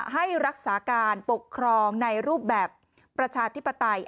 ให้รักษาการปกครองในรูปแบบประชาธิปไตย